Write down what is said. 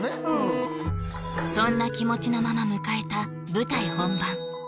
うんそんな気持ちのまま迎えた舞台本番